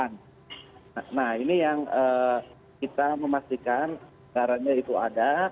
nah ini yang kita memastikan anggarannya itu ada